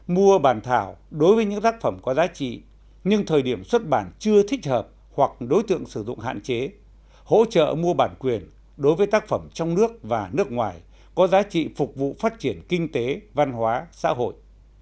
mua bàn thảo đối với những tác phẩm có giá trị nhưng thời điểm xuất bản chưa thích hợp hoặc đối tượng sử dụng hạn chế hỗ trợ mua bản quyền đối với tác phẩm trong nước và nước ngoài có giá trị phục vụ phát triển kinh tế văn hóa xã hội